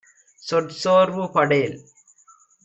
சொற் சோர்வு படேல்.